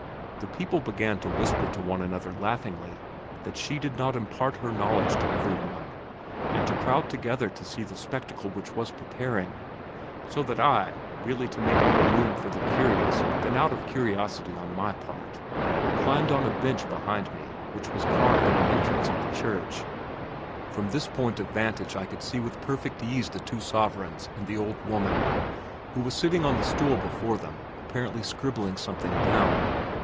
The people began to whisper to one another laughingly that she did not impart her knowledge to every one, and to crowd together to see the spectacle which was preparing, so that I, really more to make room for the curious than out of curiosity on my part, climbed on a bench behind me which was carved in the entrance of the church. From this point of vantage I could see with perfect ease the two sovereigns and the old woman, who was sitting on the stool before them apparently scribbling something down.